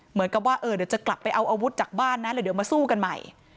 เหมือนกับว่าเดี๋ยวจะกลับไปเอาอาวุธจากบ้านนะแล้วเดี๋ยวมาสู้กันใหม่